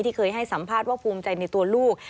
เคยให้สัมภาษณ์ว่าภูมิใจในตัวลูก